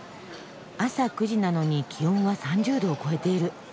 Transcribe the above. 朝９時なのに気温は３０度を超えている。